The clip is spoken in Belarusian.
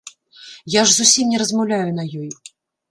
Я ж зусім не размаўляю на ёй.